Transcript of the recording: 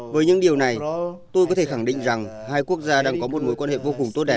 với những điều này tôi có thể khẳng định rằng hai quốc gia đang có một mối quan hệ vô cùng tốt đẹp